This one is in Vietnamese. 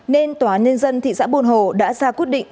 nên tòa án nhân dân thị xã bồn hồ đã ra quyết định